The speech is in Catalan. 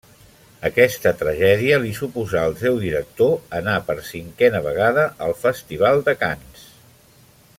Aquesta tragèdia li suposa al seu director anar per cinquena vegada al festival de Canes.